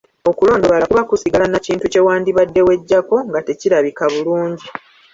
Okulondobala kuba kusigala na kintu kye wandibadde weggyako nga tekirabika bulungi.